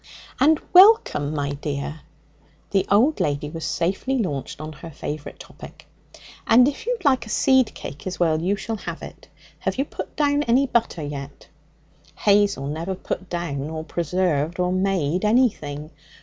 'And welcome, my dear.' The old lady was safely launched on her favourite topic. 'And if you'd like a seed cake as well, you shall have it. Have you put down any butter yet?' Hazel never put down or preserved or made anything.